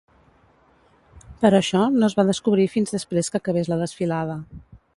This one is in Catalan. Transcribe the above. Però, això no es va descobrir fins després que acabés la desfilada.